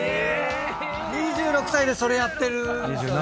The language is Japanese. ２６歳でそれやってるんすよね。